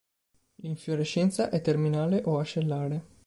L'infiorescenza è terminale o ascellare.